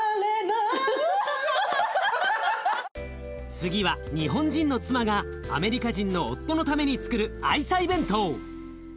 次は日本人の妻がアメリカ人の夫のためにつくる愛妻弁当。